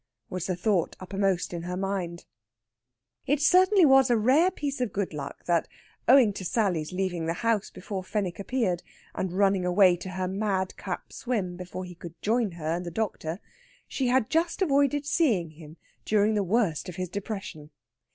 was the thought uppermost in her mind. It certainly was a rare piece of good luck that, owing to Sally's leaving the house before Fenwick appeared, and running away to her madcap swim before he could join her and the doctor, she had just avoided seeing him during the worst of his depression.